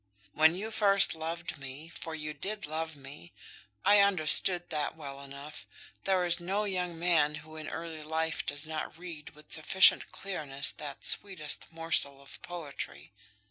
"When you first loved me; for you did love me. I understood that well enough. There is no young man who in early life does not read with sufficient clearness that sweetest morsel of poetry.